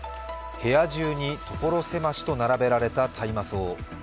部屋中に所狭しと並べられた大麻草。